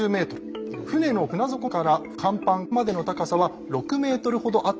船の船底から甲板までの高さは６ｍほどあった。